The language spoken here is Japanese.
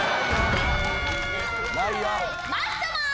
マッサマン。